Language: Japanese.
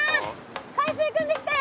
海水くんできたよ。